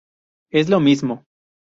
Es lo mismo.